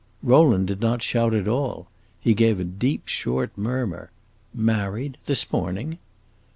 Rowland did not shout at all; he gave a deep, short murmur: "Married this morning?"